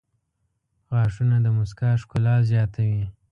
• غاښونه د مسکا ښکلا زیاتوي.